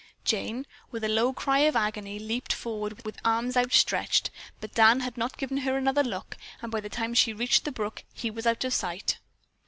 Jane, with a low cry of agony, leaped forward with arms outstretched, but Dan had not given her another look, and by the time she reached the brook he was out of sight.